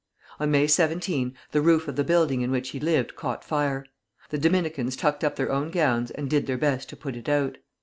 On May 17 the roof of the building in which he lived caught fire. The Dominicans tucked up their gowns and did their best to put it out.